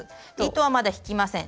糸はまだ引きません。